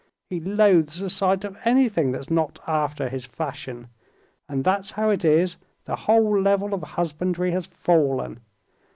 He loathes the sight of anything that's not after his fashion. And that's how it is the whole level of husbandry has fallen.